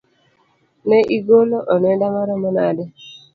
Ne igolo onenda maromo nade?